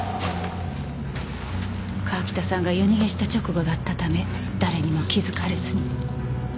川喜多さんが夜逃げした直後だったため誰にも気づかれずに。